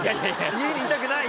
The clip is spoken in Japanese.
家にいたくない！